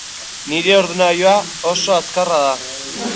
Nire ordenagailua oso azkarra da.